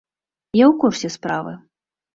Я ў курсе справы.